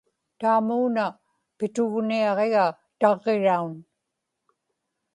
taamuuna pitugniaġiga taġġiraun